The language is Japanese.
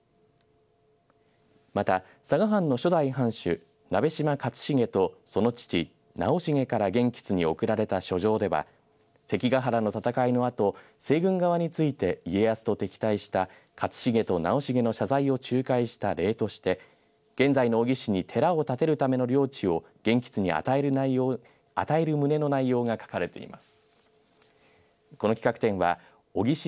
また佐賀藩の初代藩主鍋島勝茂とその父、直茂がら元佶に送られた書状では関ケ原の戦いの後西軍側について家康と敵対した勝茂と直茂の謝罪を仲介した礼として現在の小城市に寺を建てるための領地を与える旨の内容が書かれています。